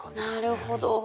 なるほど。